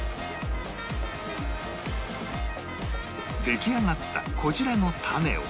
出来上がったこちらのタネを